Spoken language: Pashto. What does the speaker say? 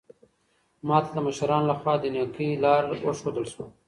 ما ته د مشرانو لخوا د نېکۍ لار وښودل شوه.